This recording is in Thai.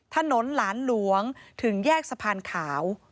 ถนนหลานหลวงถึงแยกสะพานขาว